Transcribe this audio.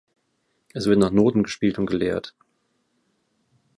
Es wird nach Noten gespielt und gelehrt.